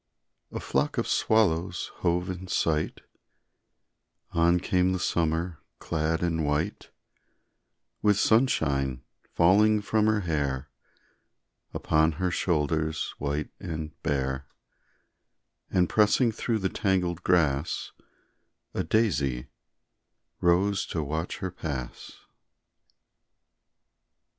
A flock of swallows hove in sight, On came the summer clad in white, With sunshine falling from her hair Upon her shoulders white and bare, And pressing through the tangled grass, A daisy rose to watch her pass.